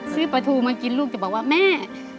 ซื้อปลาทูมากินลูกจะบอกว่าแม่